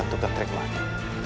dan setelah itu